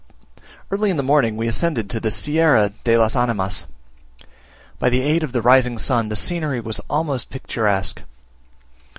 Early in the morning we ascended the Sierra de las Animas. By the aid of the rising sun the scenery was almost picturesque.